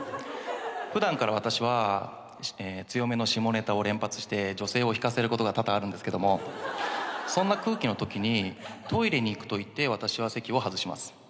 普段から私は強めの下ネタを連発して女性を引かせることが多々あるんですけどもそんな空気のときにトイレに行くと言って私は席を外します。